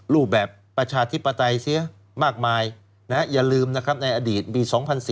รูปแบบประชาธิปไตยเสียมากมายอย่าลืมนะครับในอดีตปี๒๔